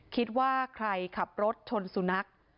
คิดว่าใครขับรถชนสุนัข